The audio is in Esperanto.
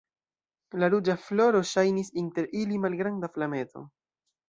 La ruĝa floro ŝajnis inter ili malgranda flameto.